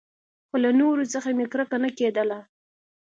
خو له نورو څخه مې کرکه نه کېدله.